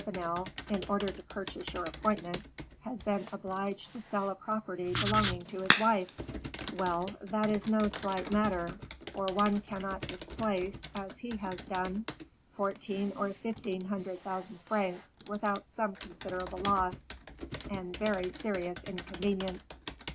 Vanel, in order to purchase your appointment, has been obliged to sell a property belonging to his wife; well, that is no slight matter; for one cannot displace, as he has done, fourteen or fifteen hundred thousand francs without some considerable loss, and very serious inconvenience."